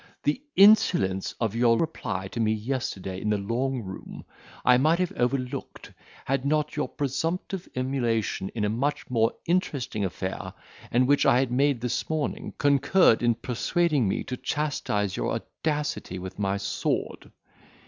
The insolence of your reply to me yesterday, in the Long Room, I might have overlooked, had not your presumptive emulation in a much more interesting affair, and which I made this morning, concurred in persuading me to chastise your audacity with my sword.